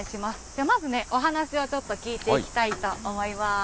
ではまずね、お話をちょっと聞いていきたいと思います。